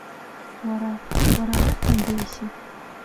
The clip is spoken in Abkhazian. Уара, уара арахь уанбеиаси?